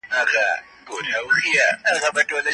د کانونو استخراج د هیواد شتمني زیاته کړه.